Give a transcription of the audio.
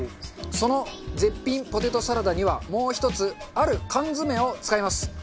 その絶品ポテトサラダにはもう１つある缶詰を使います。